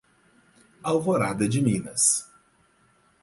Alvorada de Minas